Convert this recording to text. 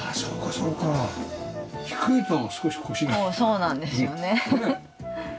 そうなんですよね。